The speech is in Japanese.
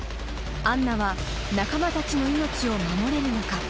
アンナは仲間たちの命を守れるのか？